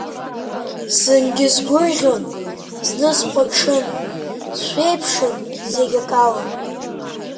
Зынгьы сгәырӷьон, зны схәаҽын, сшәеиԥшын зегь акала.